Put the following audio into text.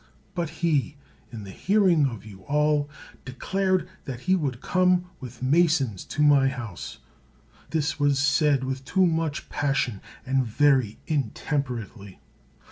But he, in the hearing of you all, declared that he would come with masons to my house; this was said with too much passion and very intem perately.